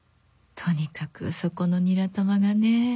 とにかくそこのニラ玉がね。